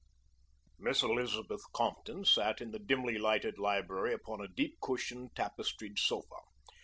Miss Elizabeth Compton sat in the dimly lighted library upon a deep cushioned, tapestried sofa.